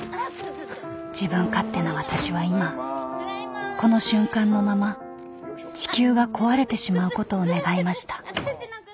［自分勝手な私は今この瞬間のまま地球が壊れてしまうことを願いました］